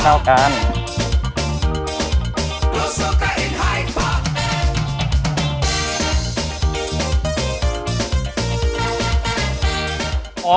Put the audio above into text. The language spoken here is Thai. เข้ากันให้เข้ากัน